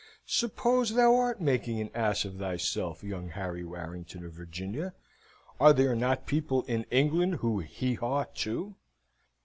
Suppose thou art making an ass of thyself, young Harry Warrington, of Virginia! are there not people in England who heehaw too?